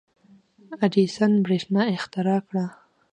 • اډېسن برېښنا اختراع کړه.